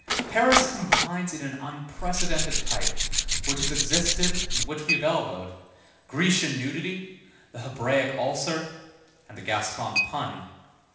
Paris combines in an unprecedented type, which has existed and which we have elbowed, Grecian nudity, the Hebraic ulcer, and the Gascon pun.